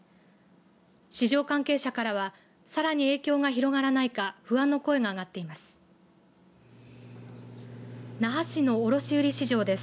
市場関係者からはさらに影響が広がらないか不安の声が上がっています。